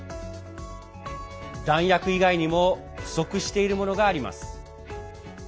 弾薬以外にも不足しているものがあります。